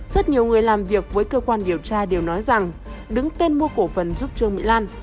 rất nhiều người làm việc với cơ quan điều tra đều nói rằng đứng tên mua cổ phần giúp trương mỹ lan